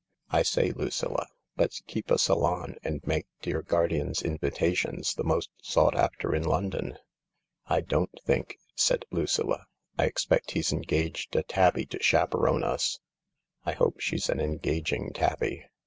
I say, Lucilla, let's keep a salon, and make dear Guardian's invitations the most sought after in London." " 1 d on't think! " said Lucilla. " I expect he's engaged a tabby to chaperone us. I hope she's an engaging tabby."